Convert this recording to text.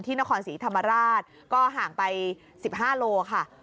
ที่นครสีธรรมราชก็ห่างไป๑๕โลกรัมค่ะ